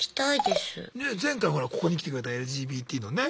前回ほらここに来てくれたＬＧＢＴのね